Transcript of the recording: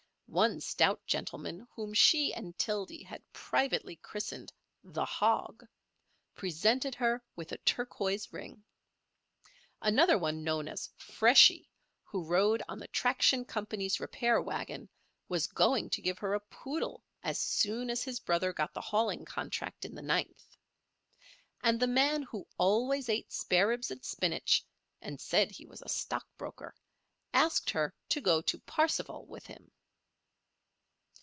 One stout gentleman whom she and Tildy had privately christened "The Hog" presented her with a turquoise ring. Another one known as "Freshy," who rode on the Traction Company's repair wagon, was going to give her a poodle as soon as his brother got the hauling contract in the Ninth. And the man who always ate spareribs and spinach and said he was a stock broker asked her to go to "Parsifal" with him.